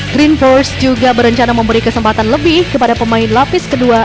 green force juga berencana memberi kesempatan lebih kepada pemain lapis kedua